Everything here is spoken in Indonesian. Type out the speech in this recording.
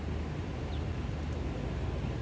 asal sekolah sma negeri delapan belas